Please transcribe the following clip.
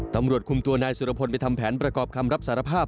ตำรวจคุมตัวนายสุรพลไปทำแผนประกอบคำรับสารภาพ